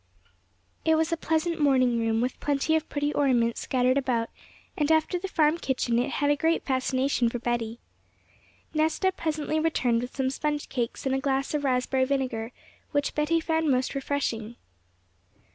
It was a pleasant morning room, with plenty of pretty ornaments scattered about, and after the farm kitchen it had a great fascination for Betty. Nesta presently returned with some sponge cakes and a glass of raspberry vinegar, which Betty found most refreshing.